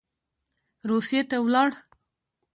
روسیې ته ولاړ.